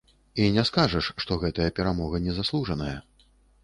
І не скажаш, што гэтая перамога не заслужаная.